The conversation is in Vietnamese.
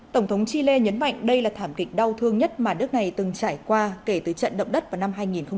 tổng thống chile nhấn mạnh đây là thảm kịch đau thương nhất mà nước này từng trải qua kể từ trận động đất vào năm hai nghìn một mươi